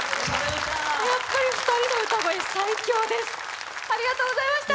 やっぱり２人の歌声、最強です。